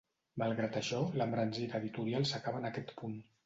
Malgrat això, l'embranzida editorial s'acaba en aquest punt.